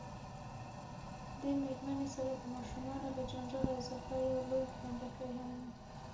دې میرمنې سره د ماشومانو له جنجاله اضافه یو لوی پنډکی هم و.